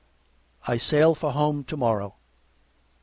I sail for home to morrow.